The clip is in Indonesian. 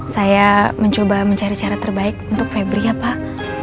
saya mencoba mencari cara terbaik untuk febri ya pak